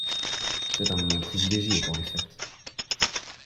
C’est un moment privilégié pour les fêtes.